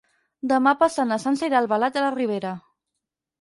Demà passat na Sança irà a Albalat de la Ribera.